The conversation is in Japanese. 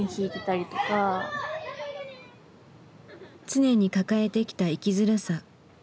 常に抱えてきた生きづらさ。